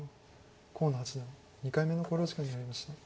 河野八段２回目の考慮時間に入りました。